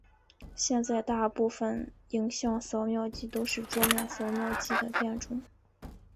现在大部份影像扫描机都是桌面扫描机的变种。